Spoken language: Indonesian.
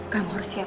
kamu harus siap